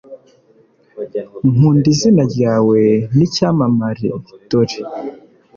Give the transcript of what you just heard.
Nkunda izina ryawe nicyamamare dore